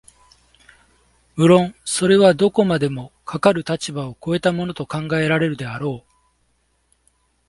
無論それはどこまでもかかる立場を越えたものと考えられるであろう、